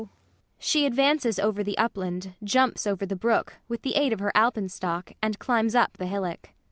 [She advances over the upland, jumps over the brook, with the aid of her alpenstock, and climbs up the hillock.